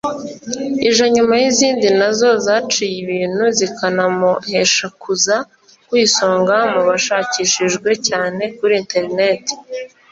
ije nyuma y’izindi na zo zaciye ibintu zikanamuhesha kuza ku isonga mu bashakishijwe cyane kuri Internet